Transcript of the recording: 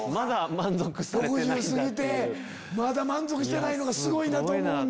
６０過ぎてまだ満足してないのがすごいなと思うんだ。